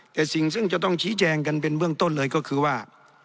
แต่สิ่งซึ่งจะต้องชี้แจงกันเป็นเบื้องต้นเลยก็คือว่า